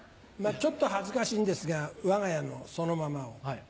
ちょっと恥ずかしいんですがわが家のそのままを。